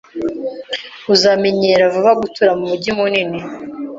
Uzamenyera vuba gutura mumujyi munini.